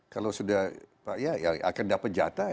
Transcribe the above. kalau sudah akan dapat jatah